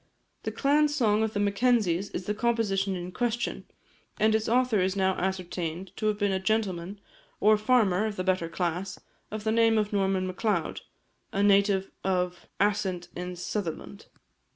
The clan song of the Mackenzies is the composition in question, and its author is now ascertained to have been a gentleman, or farmer of the better class, of the name of Norman Macleod, a native of Assynt in Sutherland.